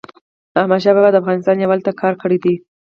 احمدشاه بابا د افغانستان یووالي ته کار کړی دی.